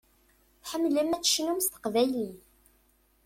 Tḥemmlem ad tecnum s teqbaylit.